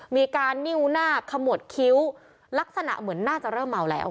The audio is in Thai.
มีการนิ้วหน้าขมวดคิ้วลักษณะเหมือนน่าจะเริ่มเมาแล้ว